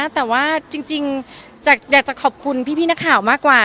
แต่ว่าจริงอยากจะขอบคุณพี่นักข่าวมากกว่า